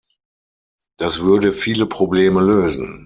Das würde viele Probleme lösen.